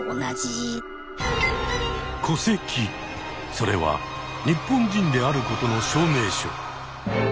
それは日本人であることの証明書。